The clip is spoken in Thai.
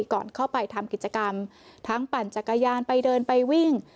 ก่อนเข้าไปทำกิจกรรมทั้งปั่นจักรยานไปเดินไปวิ่ง